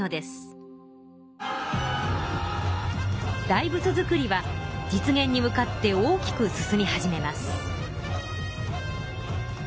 大仏造りは実現に向かって大きく進み始めます。